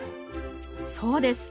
そうです。